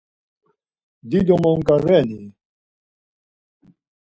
Dido monǩa reni?